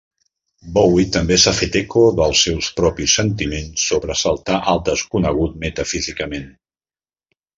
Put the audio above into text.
Bowie també s'ha fet eco dels seus propis sentiments sobre saltar al desconegut metafísicament.